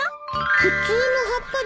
普通の葉っぱです。